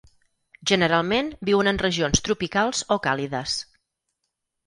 Generalment viuen en regions tropicals o càlides.